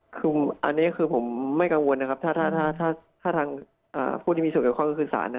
คืออันนี้ที่ผมไม่กังวลถ้าท่านผู้ที่มีส่วนเกี่ยวกับข้าวคือสาร